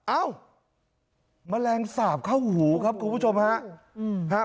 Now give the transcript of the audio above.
เอ้าแมลงสาบเข้าหูครับคุณผู้ชมฮะ